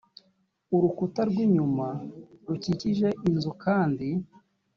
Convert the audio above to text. urukuta rw inyuma rukikije inzu kandi